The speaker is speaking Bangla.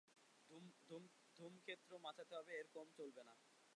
ধূমক্ষেত্র মাচাতে হবে, এর কম চলবে না।